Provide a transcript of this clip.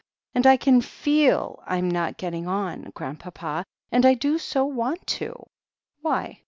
And I can feel I'm not getting on. Grand papa — and I do so want to.'* "Why?"